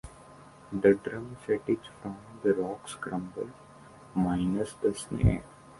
The drum set is from "The Rocks Crumble", minus the snare.